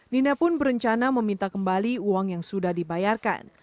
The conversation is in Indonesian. nina pun berencana meminta kembali uang yang sudah dibayarkan